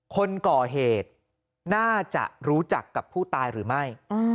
คนก่อเหตุน่าจะรู้จักกับผู้ตายหรือไม่